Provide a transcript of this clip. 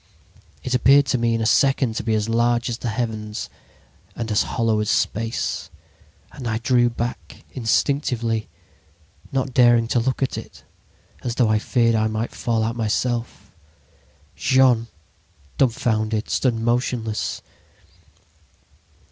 It appeared to me in a second to be as large as the heavens and as hollow as space. And I drew back instinctively, not daring to look at it, as though I feared I might fall out myself. "Jean, dumfounded, stood motionless.